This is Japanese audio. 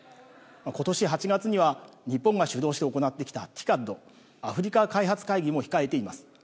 ことし８月には、日本が主導して行ってきたＴＩＣＡＤ・アフリカ開発会議も控えています。